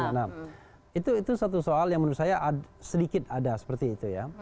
nah itu satu soal yang menurut saya sedikit ada seperti itu ya